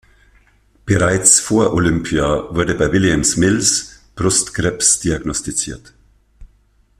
Bereits vor Olympia wurde bei Williams-Mills Brustkrebs diagnostiziert.